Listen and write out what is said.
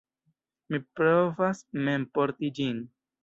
Mi provas mem porti ĝin.